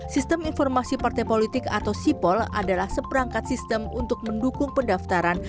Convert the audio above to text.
sistem informasi partai politik atau sipol adalah seperangkat sistem untuk mendukung pendaftaran